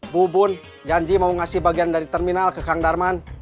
bubun janji mau ngasih bagian dari terminal ke kang darman